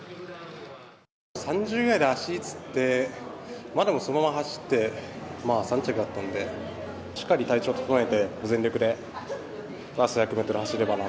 ３０メートルぐらいで足がつって、まあでも、そのまま走って、３着だったので、しっかり体調整えて、全力でラスト１００メートル走れば。